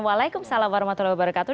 waalaikumsalam warahmatullahi wabarakatuh